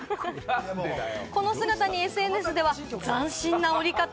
この姿にＳＮＳでは斬新なおり方。